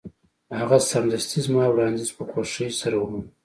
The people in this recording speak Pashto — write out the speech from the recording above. هغه سمدستي زما وړاندیز په خوښۍ سره ومانه